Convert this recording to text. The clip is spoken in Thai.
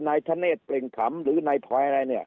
นายธเนธเปล่งขำหรือนายพลอยอะไรเนี่ย